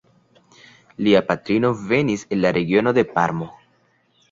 Lia patrino venis el la regiono de Parmo.